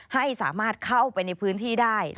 ให้สามารถเข้าไปในพื้นที่ได้